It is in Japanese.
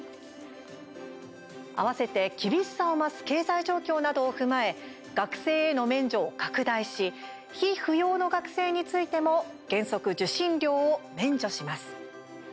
併せて、厳しさを増す経済状況などを踏まえ学生への免除を拡大し被扶養の学生についても原則、受信料を免除します。